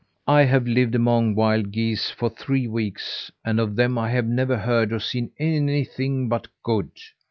I have lived amongst wild geese for three weeks, and of them I have never heard or seen anything but good.